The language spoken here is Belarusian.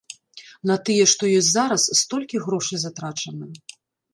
На тыя, што ёсць зараз столькі грошай затрачана!